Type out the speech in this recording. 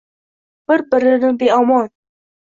Bir-birini beomon —